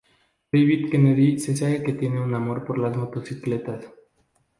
David Kennedy se sabe que tiene un amor por las motocicletas.